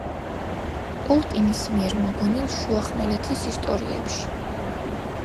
ტოლკინის მიერ მოგონილ შუახმელეთის ისტორიებში.